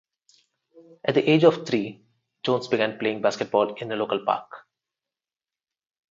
At the age of three, Jones began playing basketball in a local park.